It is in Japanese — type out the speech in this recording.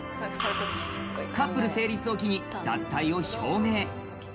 カップル成立を機に、脱退を表明。